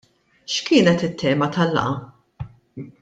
X'kienet it-tema tal-laqgħa?